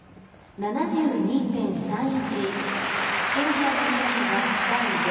７２．３１。